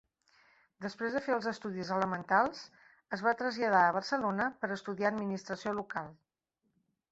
Després de fer els estudis elementals, es va traslladar a Barcelona per estudiar administració local.